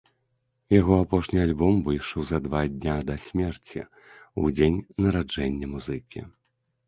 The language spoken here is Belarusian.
Яго апошні альбом выйшаў за два дня да смерці, у дзень нараджэння музыкі.